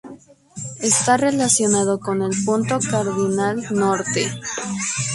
Está relacionado con el punto cardinal Norte.